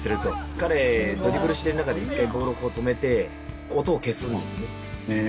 彼ドリブルしてる中で一回ボールを止めて音を消すんですね。